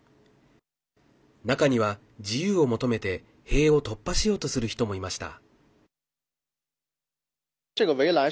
中には自由を求めて塀を突破しようとする人もいました。